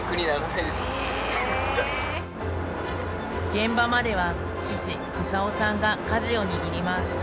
現場までは父房夫さんがかじを握ります。